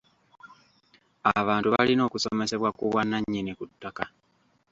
Abantu balina okusomesebwa ku bwannannyini ku ttaka.